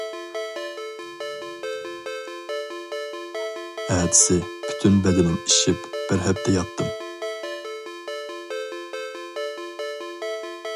ئەتىسى پۈتۈن بەدىنىم ئىششىپ بىر ھەپتە ياتتىم.